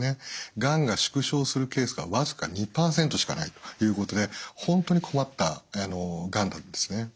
がんが縮小するケースが僅か２％しかないということで本当に困ったがんなんですね。